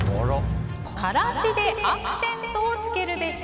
辛子でアクセントをつけるべし。